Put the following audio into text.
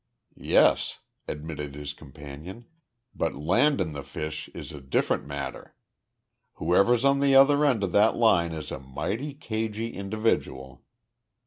"Yes," admitted his companion, "but landin' the fish is a different matter. Whoever's on the other end of that line is a mighty cagy individual."